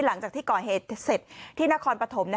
หลังจากที่ก่อเหตุเสร็จที่นครปฐม